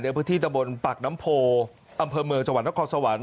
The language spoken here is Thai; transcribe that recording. พื้นที่ตะบนปากน้ำโพอำเภอเมืองจังหวัดนครสวรรค์